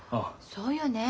そうよね。